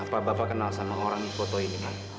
apa bapak kenal sama orang foto ini pak